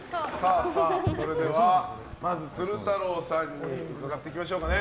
それではまず鶴太郎さんに伺っていきましょうかね。